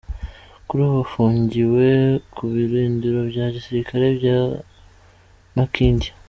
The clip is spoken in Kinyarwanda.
Kuri ubu afungiwe ku birindiro bya gisirikare by’i Makindye.